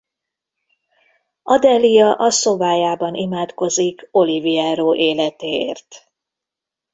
Adelia a szobájában imádkozik Oliviero életéért.